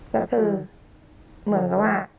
ก็คือเหมือนกับว่า